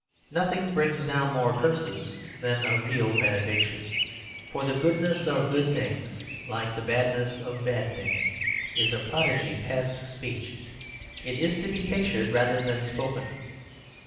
Nothing brings down more curses than a real benediction. For the goodness of good things, like the badness of bad things, is a prodigy past speech; it is to be pictured rather than spoken.